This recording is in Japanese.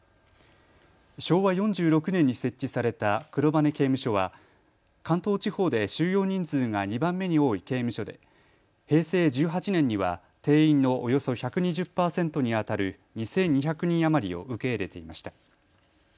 昭和４６年に設置された黒羽刑務所は関東地方で収容人数が２番目に多い刑務所で平成１８年には定員のおよそ１２０％にあたる２２００人余りを受け入れていました。